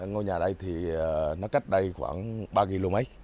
ngôi nhà đây thì nó cách đây khoảng ba km